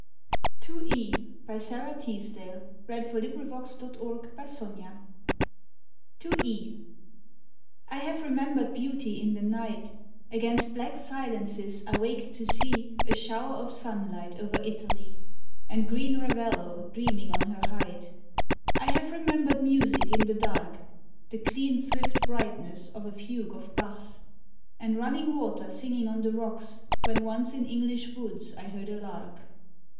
or of "Rivers to the Sea", "Helen of Troy and Other Poems", Etc. To E. I have remembered beauty in the night, Against black silences I waked to see A shower of sunlight over Italy And green Ravello dreaming on her height; I have remembered music in the dark, The clean swift brightness of a fugue of Bach's, And running water singing on the rocks When once in English woods I heard a lark.